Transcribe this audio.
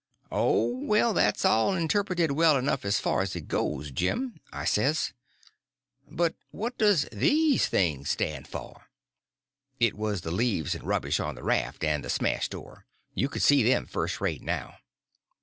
"Oh, well, that's all interpreted well enough as far as it goes, Jim," I says; "but what does these things stand for?" It was the leaves and rubbish on the raft and the smashed oar. You could see them first rate now.